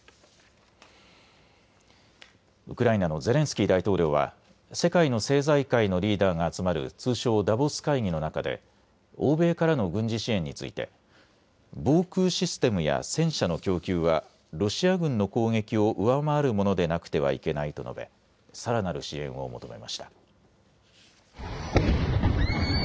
ウクライナのゼレンスキー大統領は世界の政財界のリーダーが集まる通称、ダボス会議の中で欧米からの軍事支援について防空システムや戦車の供給はロシア軍の攻撃を上回るものでなくてはいけないと述べさらなる支援を求めました。